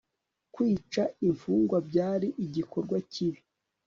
kwica imfungwa byari igikorwa kibi